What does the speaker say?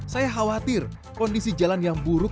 saya khawatir kondisi jalan yang buruk